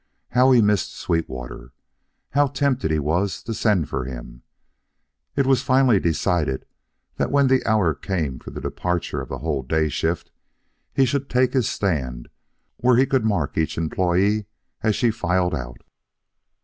How he missed Sweetwater! How tempted he was to send for him! It was finally decided that when the hour came for the departure of the whole dayshift, he should take his stand where he could mark each employee as she filed out.